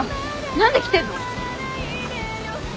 何で来てんの？